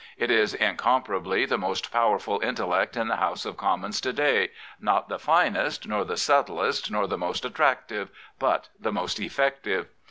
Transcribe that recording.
It is incomparably the most power ful intellect in the House of Commons to day — not the finest, nor the subtlest, nor the most attractive, but the most effective.